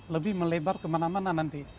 lebih melebar kemana mana nanti